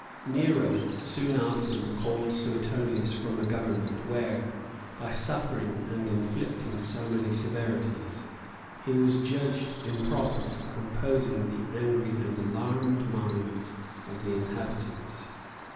[*] Nero soon after recalled Suetonius from a government, where, by suffering and inflicting so many severities, he was judged improper for composing the angry and alarmed minds of the inhabitants.